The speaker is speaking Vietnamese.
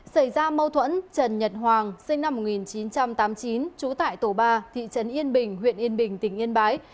xảy ra mâu thuẫn trần nhật hoàng sinh năm một nghìn chín trăm tám mươi chín trú tại tổ ba thị trấn yên bình huyện yên bình tỉnh yên bái